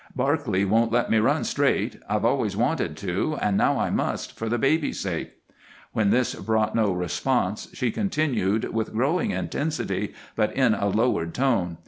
"Barclay won't let me run straight. I've always wanted to, and now I must, for the baby's sake." When this brought no response she continued, with growing intensity, but in a lowered tone.